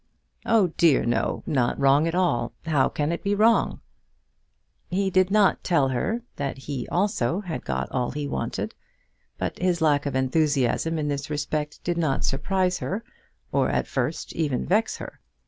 "Oh, dear, no; not wrong at all. How can it be wrong?" He did not tell her that he also had got all he wanted; but his lack of enthusiasm in this respect did not surprise her, or at first even vex her.